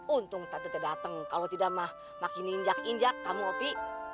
untung tante tidak datang kalau tidak mah makin injak injak kamu opi